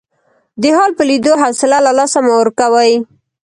د حال په لیدو حوصله له لاسه مه ورکوئ.